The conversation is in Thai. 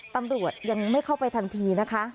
ตำรวจยังไม่เข้าไปทันทีนะคะ